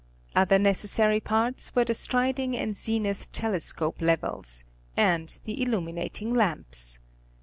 Other necessary parts were the striding and zenith telescope levels, and the illuminating lamps.